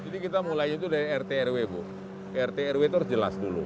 jadi kita mulai itu dari rt rw bu rt rw itu harus jelas dulu